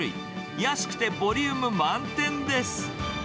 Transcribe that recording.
安くてボリューム満点です。